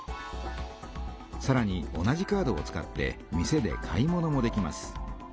さらに同じカードを使って店で買い物もできます。